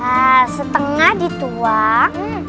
nah setengah dituang